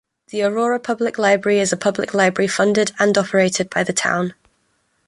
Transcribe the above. The Aurora Public Library is a public library funded and operated by the town.